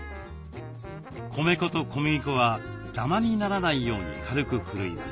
米粉と小麦粉はダマにならないように軽くふるいます。